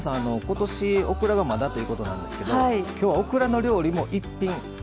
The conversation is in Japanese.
今年オクラがまだということなんですけどきょうはオクラの料理も一品軽く入れてますから。